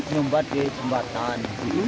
nyumbat di sumbatan